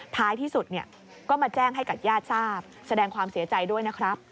ท้ายที่สุดก็มาแจ้งให้กับญาติทราบแสดงความเสียใจด้วยนะครับ